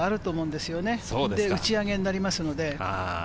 で、打ち上げになりますから。